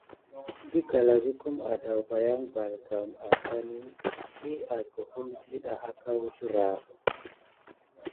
Də galazukum adawbayan balgam assani, diy askoke dida aka wuzlera.